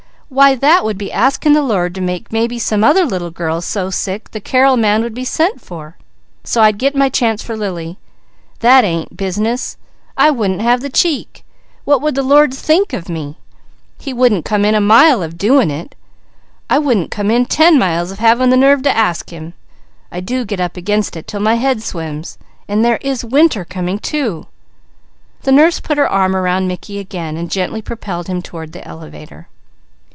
Why that would be asking the Lord to make maybe some other little girl so sick, the Carrel man would be sent for, so I'd get my chance for Lily. That ain't business! I wouldn't have the cheek! What would the Lord think of me? He wouldn't come in a mile of doing it. I wouldn't come in ten miles of having the nerve to ask him. I do get up against it 'til my head swims. And there is winter coming, too!" The nurse put her arm around Mickey again, and gently propelled him toward the elevator.